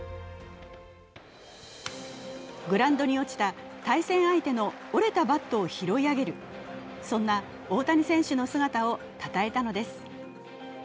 グラウンドに落ちた対戦相手の折れたバットを拾い上げる、そんな大谷選手の姿をたたえたのです。